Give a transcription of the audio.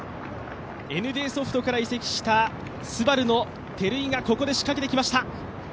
ＮＤソフトから移籍した照井がここで仕掛けてきました。